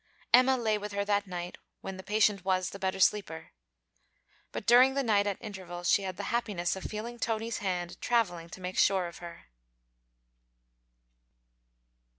Emma lay with her that night, when the patient was, the better sleeper. But during the night at intervals she had the happiness of feeling Tony's hand travelling to make sure of her.